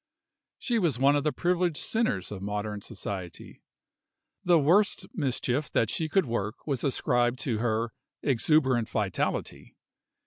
She was one of the privileged sinners of modern society. The worst mischief that she could work was ascribed to her "exuberant vitality."